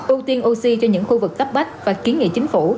ưu tiên oxy cho những khu vực cấp bách và kiến nghị chính phủ